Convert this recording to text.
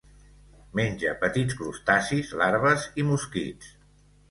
Menja petits crustacis, larves i mosquits.